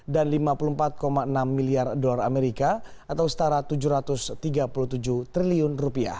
dan rp lima puluh empat enam miliar atau setara rp tujuh ratus tiga puluh tujuh triliun